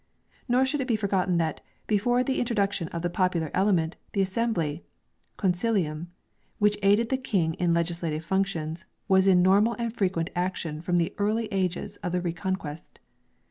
Nor should it be forgotten that, before the intro duction of the popular element, the assembly (" con cilium ") which aided the King in legislative functions, was in normal and frequent action from the early ages of the Reconquest.